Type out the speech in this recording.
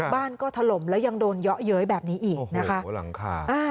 บ้านก็ถล่มแล้วยังโดนเยาะเย้ยแบบนี้อีกนะคะ